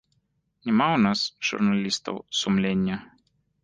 Няма ў нас, журналістаў, сумлення.